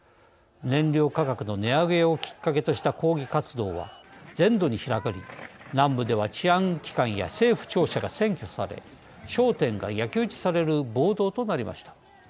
燃料価格の値上げをきっかけとした抗議活動は全土に広がり南部では治安機関や政府庁舎が占拠され商店が焼き打ちされる暴動となりました。